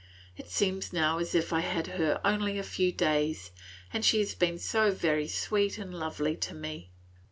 It seems now as if I had had her only a few days, and she has been so very sweet and lovely to me.